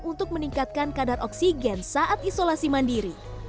untuk meningkatkan kadar oksigen saat isolasi mandiri